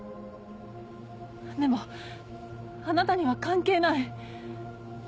でもあなたには関係ない。